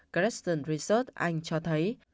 gretchen research anh cho thấy